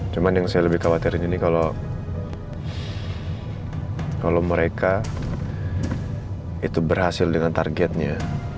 cuma yang saya lebih khawatirin ini kalau mereka itu berhasil dengan targetnya